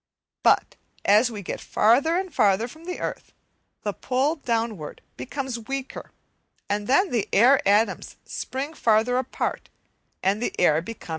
But as we get farther and farther from the earth, the pull downward becomes weaker, and then the air atoms spring farther apart, and the air becomes thinner.